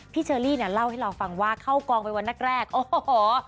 พี่เชอรี่เล่าให้เราฟังว่าเข้ากลองไปวันแรกโอ้โฮ